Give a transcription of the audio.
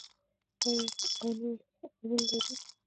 آیا او نوي خوبونه نلري؟